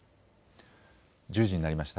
１０時になりました。